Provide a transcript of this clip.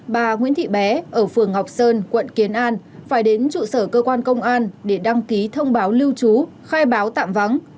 bà nguyễn thị bé ở phường ngọc sơn quận kiến an phải đến trụ sở cơ quan công an để đăng ký thông báo lưu trú khai báo tạm vắng